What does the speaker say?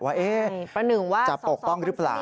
ว่าจะปกป้องหรือเปล่า